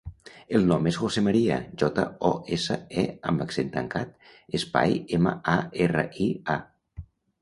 El nom és José maria: jota, o, essa, e amb accent tancat, espai, ema, a, erra, i, a.